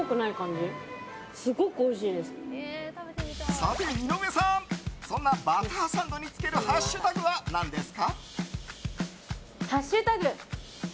さて、井上さんそんなバターサンドにつけるハッシュタグは何ですか？